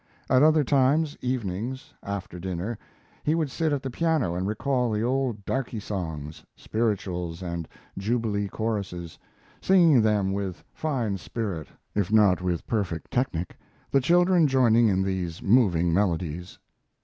At other times, evenings, after dinner, he would sit at the piano and recall the old darky songs spirituals and jubilee choruses singing them with fine spirit, if not with perfect technic, the children joining in these moving melodies.